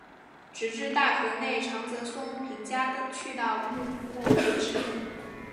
直至大河内长泽松平家去到幕末为止。